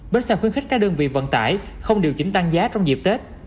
bến xe khuyến khích các đơn vị vận tải không điều chỉnh tăng giá trong dịp tết